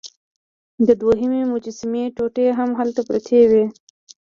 د دوهمې مجسمې ټوټې هم هلته پرتې وې.